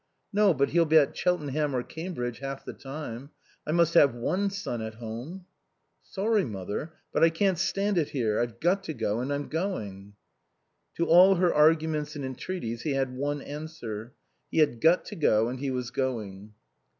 "No. But he'll be at Cheltenham or Cambridge half the time. I must have one son at home." "Sorry, Mother. But I can't stand it here. I've got to go, and I'm going." To all her arguments and entreaties he had one answer: He had got to go and he was going.